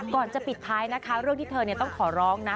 ก่อนจะปิดท้ายนะคะเรื่องที่เธอต้องขอร้องนะ